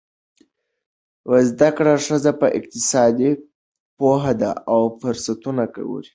زده کړه ښځه په اقتصاد پوهه ده او فرصتونه ګوري.